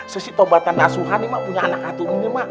sesitobatan nasuhan nih ma punya anak atum ini ma